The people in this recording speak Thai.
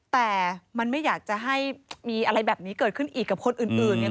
แต่มันไม่อยากจะให้มีอะไรแบบนี้เกิดขึ้นอีกกับคนอื่นเนี่ย